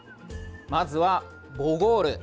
まずは、ボゴール。